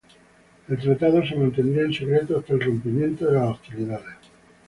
El tratado se mantendría en secreto hasta el rompimiento de las hostilidades.